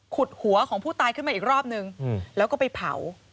หัวของผู้ตายขึ้นมาอีกรอบนึงแล้วก็ไปเผา